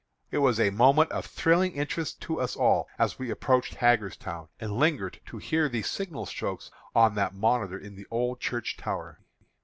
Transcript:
It was a moment of thrilling interest to us all, as we approached Hagerstown, and lingered to hear the signal strokes of that monitor in the old church tower.